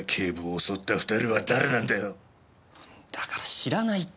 だから知らないって。